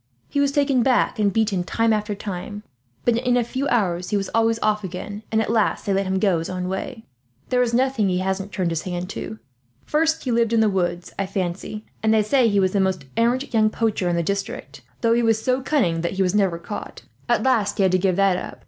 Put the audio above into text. He was taken back and beaten, time after time; but in a few hours he was always off again, and at last they let him go his own way. There is nothing he hasn't turned his hand to. First he lived in the woods, I fancy; and they say he was the most arrant young poacher in the district, though he was so cunning that he was never caught. At last he had to give that up.